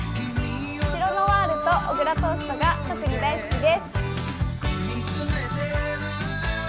シロノワールと小倉トーストが特に大好きです。